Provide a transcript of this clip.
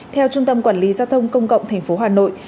theo trung tâm quản lý giao thông công cộng tp hà nội